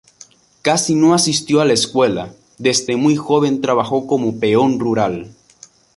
Casi no asistió a la escuela, desde muy joven trabajó como peón rural.